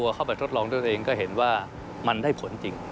ว่ามันได้ผลจริง